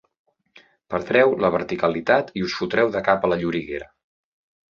Perdreu la verticalitat i us fotreu de cap a la lloriguera.